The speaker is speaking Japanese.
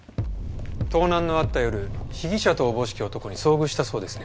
盗難のあった夜被疑者とおぼしき男に遭遇したそうですね。